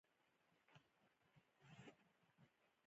• بادام د زړه د عروقی ناروغیو مخنیوي لپاره ګټور دي.